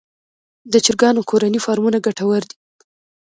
د چرګانو کورني فارمونه ګټور دي